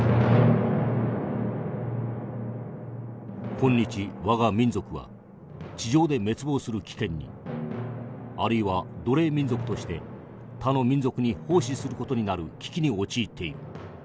「今日我が民族は地上で滅亡する危険にあるいは奴隷民族として他の民族に奉仕する事になる危機に陥っている。